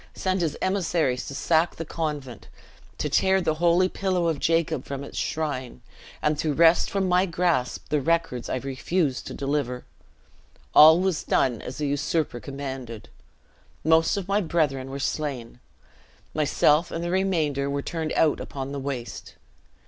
sent his emissaries to sack the convent, to tear the holy pillow of Jacob from its shrine, and to wrest from my grasp the records I refused to deliver. All was done as the usurper commanded. Most of my brethren were slain. Myself and the remainder were turned out upon the waste.